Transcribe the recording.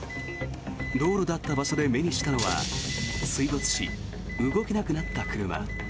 道路だった場所で目にしたのは水没し、動けなくなった車。